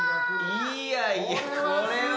いやいやこれは。